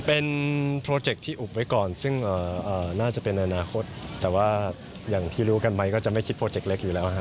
เป็นโปรเจคที่อุบไว้ก่อนซึ่งน่าจะเป็นอนาคตแต่ว่าอย่างที่รู้กันไหมก็จะไม่คิดโปรเจกต์เล็กอยู่แล้ว